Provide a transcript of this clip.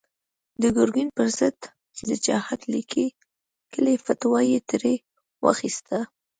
د ګرګين پر ضد د جهاد ليکلې فتوا يې ترې واخيسته.